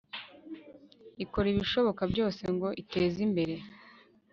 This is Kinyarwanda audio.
ikora ibishoboka byose ngo iteze imbere